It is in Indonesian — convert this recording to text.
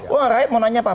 wah raih mau nanya pak